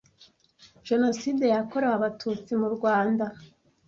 Jenoside yakorewe Abatutsi mu Rwanda